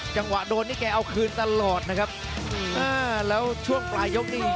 จังหวะโดนนี่แกเอาคืนตลอดนะครับอ่าแล้วช่วงปลายยกนี้